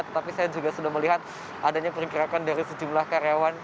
tetapi saya juga sudah melihat adanya perkirakan dari sejumlah karyawan